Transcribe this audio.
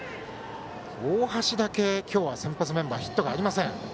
大橋だけ今日は先発メンバーヒットがありません。